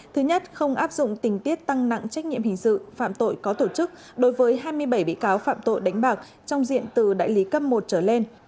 thứ nhất không áp dụng tình tiết tăng nặng trách nhiệm hình sự phạm tội có tổ chức đối với hai mươi bảy bị cáo phạm tội đánh bạc trong diện từ đại lý cấp một trở lên